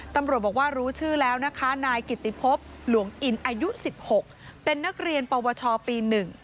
ตำรวจบอกว่ารู้ชื่อแล้วนะคะนายกิติพบหลวงอินอายุ๑๖เป็นนักเรียนปวชปี๑